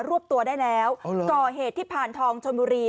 วบตัวได้แล้วก่อเหตุที่ผ่านทองชนบุรี